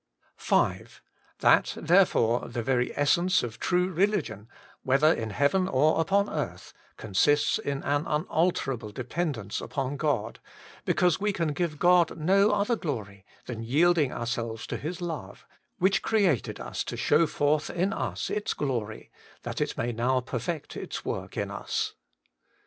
5. That, therefore, the very essence of true re ligion, whether in heaven or upon earth, consists in an unalterable dependence upon God, because we cangive God no other glory, than yieldiiag ourselves to ms love, which created us to show forth in ua its glory, that it may now perfect its work in us.